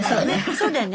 そうだよね